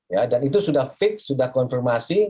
ya dan itu sudah fix sudah konfirmasi